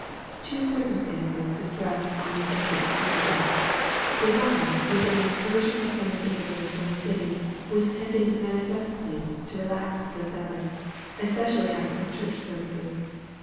Two circumstances distressed honest Agate's conscience. The one was that the incursion of summer visitors from the city was tending manifestly to relax the Sabbath, especially after the church services.